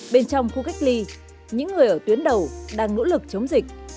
bên trong khu cách ly những người ở tuyến đầu đang nỗ lực chống dịch